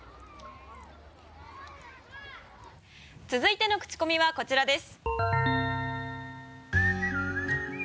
続いてのクチコミはこちらです。